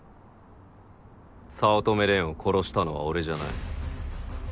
早乙女蓮を殺したのは俺じゃない。